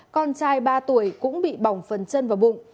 con trai ba tuổi cũng bị bỏng phần chân vào bụng